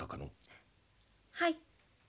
はい。